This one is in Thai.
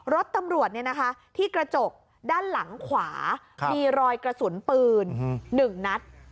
รถตำรวจเนี่ยนะคะที่กระจกด้านหลังขวาครับมีรอยกระสุนปืนหนึ่งนัด